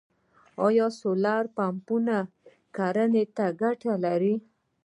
آیا سولر پمپونه کرنې ته ګټه لري؟